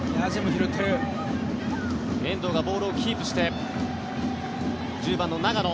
遠藤がボールをキープして１０番の長野。